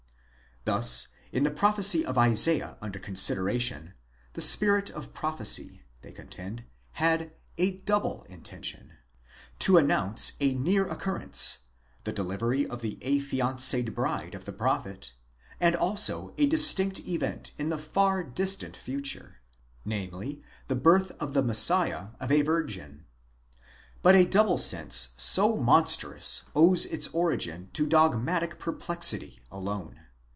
Thus, in the prophecy of Isaiah under consideration, the spirit of prophecy, they contend, had a double intention : to announce a near occurrence, the delivery of the affianced bride of the prophet, and also a distinct event in the far distant future, namely the birth of the Messiah of a virgin. But a double sense so monstrous owes its origin to dogmatic perplexity alone.